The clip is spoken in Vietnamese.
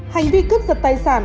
hành vi cướp giật tài sản